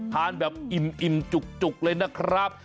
ทานแบบอิ่มจุกเลยนะครับ